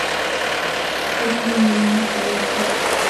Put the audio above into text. سره هندوانه خوړل کېږي.